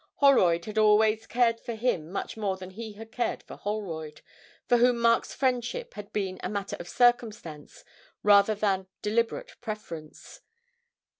Holroyd had always cared for him much more than he had cared for Holroyd, for whom Mark's friendship had been a matter of circumstance rather than deliberate preference.